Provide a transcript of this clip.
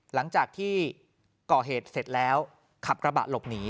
หลังจากที่ก่อเหตุเสร็จแล้วขับกระบะหลบหนี